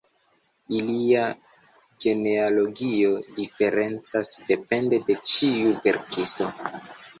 Ilia genealogio diferencas depende de ĉiu verkisto.